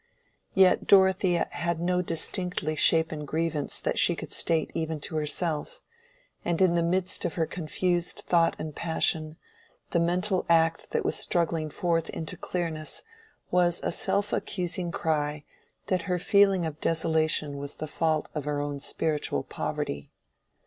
Yet Dorothea had no distinctly shapen grievance that she could state even to herself; and in the midst of her confused thought and passion, the mental act that was struggling forth into clearness was a self accusing cry that her feeling of desolation was the fault of her own spiritual poverty.